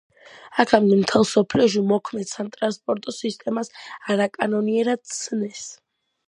აქამდე მთელ მსოფლიოში მოქმედი სატრანსფერო სისტემა არაკანონიერად ცნეს.